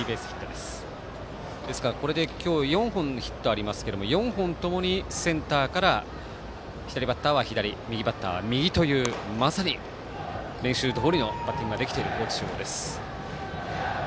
ですから、これで４本ヒットありますけれど４本ともにセンターから左バッターは左右バッターは右というまさに練習どおりのバッティングができている高知中央です。